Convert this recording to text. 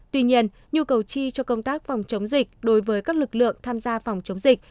tuy nhiên nhu cầu chi cho công tác phòng chống dịch đối với các lực lượng tham gia phòng chống dịch